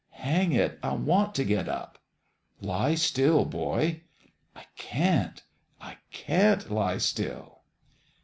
" Hang it ! I want to get up." " Lie still, boy." " I can't I can't lie still."